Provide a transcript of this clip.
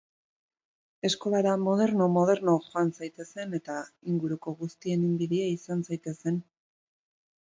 Eskolara moderno moderno joan zaitezen eta laguntxo guztien inbidia izan zaitezen.